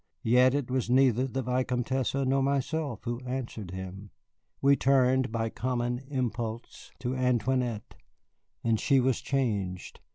Yet it was neither the Vicomtesse nor myself who answered him. We turned by common impulse to Antoinette, and she was changed.